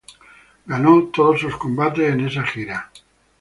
Ganó todos sus combates en esa gira.